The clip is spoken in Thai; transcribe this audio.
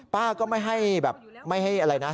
ป้าก็ไม่ให้แบบไม่ให้อะไรนะ